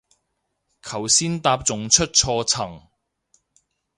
頭先搭仲出錯層